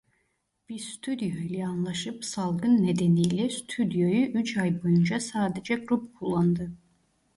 Bir stüdyo ile anlaşıp salgın nedeniyle stüdyoyu üç ay boyunca sadece grup kullandı.